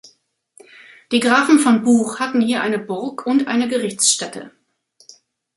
Die Grafen von Buch hatten hier eine Burg und eine Gerichtsstätte.